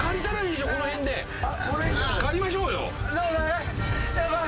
借りましょうよ。